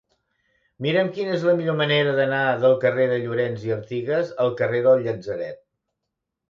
Mira'm quina és la millor manera d'anar del carrer de Llorens i Artigas al carrer del Llatzeret.